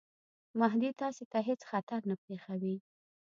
مهدي تاسي ته هیڅ خطر نه پېښوي.